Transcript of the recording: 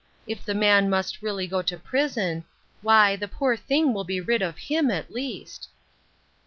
If the man must really go to prison, why, the poor thing will be rid of him, at least."